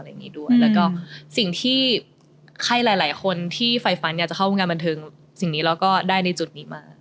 แล้วก็สิ่งที่ใครหลายคนที่ไฟฟันอยากจะเข้าวงการบันเทิงสิ่งนี้แล้วก็ได้ในจุดนี้มา